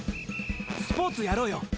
スポーツやろうよ。